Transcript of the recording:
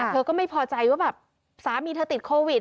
เธอก็ไม่พอใจว่าแบบสามีเธอติดโควิด